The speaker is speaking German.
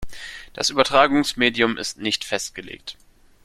Das Übertragungsmedium ist nicht festgelegt.